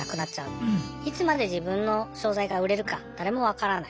いつまで自分の商材が売れるか誰も分からない。